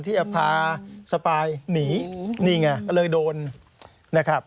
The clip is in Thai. ที่จะพาสปายหนีนี่ไงก็เลยโดนนะครับ